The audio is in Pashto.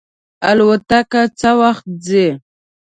الوتکه څه وخت ځي؟